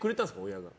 親が。